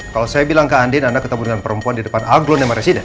kalau saya bilang ke andin anda ketemu dengan perempuan di depan aglo nemaresida